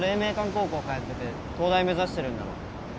高校通ってて東大目指してるんだろ？